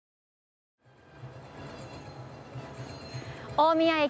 大宮駅